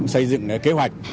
xây dựng kế hoạch